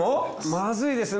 まずいですね